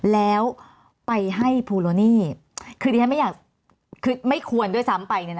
แล้วไปให้ภูโรนีคือที่ไม่ควรด้วยซ้ำไป